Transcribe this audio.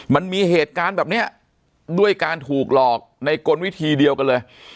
มันมีเหตุการณ์แบบนี้ด้วยการถูกหลอกในกลวิธีเดียวกันเลย